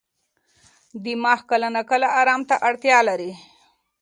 دماغ کله ناکله ارام ته اړتیا لري.